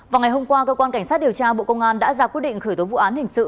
vào ngày hôm qua cơ quan cảnh sát điều tra bộ công an đã ra quyết định khởi tố vụ án hình sự